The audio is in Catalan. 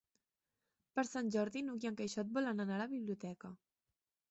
Per Sant Jordi n'Hug i en Quixot volen anar a la biblioteca.